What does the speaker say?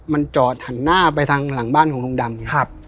มันจอดหันหน้าไปทางหลังบ้านของลุงดำไง